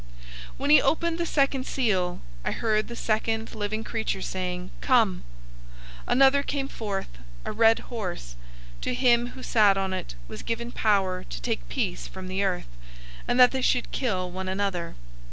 006:003 When he opened the second seal, I heard the second living creature saying, "Come!" 006:004 Another came forth, a red horse. To him who sat on it was given power to take peace from the earth, and that they should kill one another.